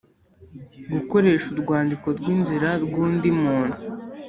gukoresha urwandiko rw’inzira rw’undi muntu